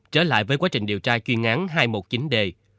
trở lại với quá trình điều tra chuyên án hai trăm một mươi chín d